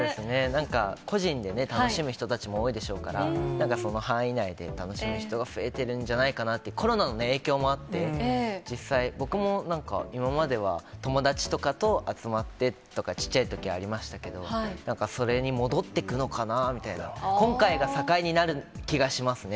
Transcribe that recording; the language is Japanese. なんか個人でね、楽しむ人たちも多いでしょうから、なんかその範囲内で楽しむ人が増えているんじゃないかなって、コロナの影響もあって、実際、僕もなんか今までは友達とかと集まってとか、ちっちゃいときありましたけど、なんかそれに戻っていくのかなみたいな、今回が境になる気がしますね。